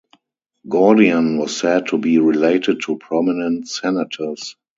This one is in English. Gordian was said to be related to prominent senators.